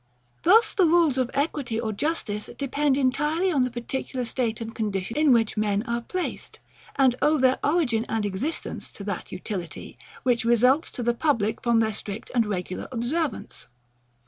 Thus, the rules of equity or justice depend entirely on the particular state and condition in which men are placed, and owe their origin and existence to that utility, which results to the public from their strict and regular observance.